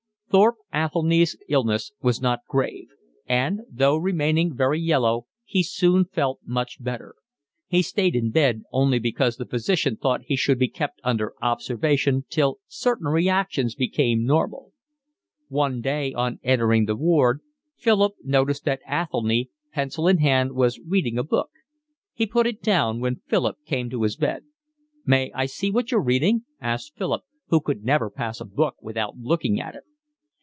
Thorpe Athelny's illness was not grave, and, though remaining very yellow, he soon felt much better: he stayed in bed only because the physician thought he should be kept under observation till certain reactions became normal. One day, on entering the ward, Philip noticed that Athelny, pencil in hand, was reading a book. He put it down when Philip came to his bed. "May I see what you're reading?" asked Philip, who could never pass a book without looking at it.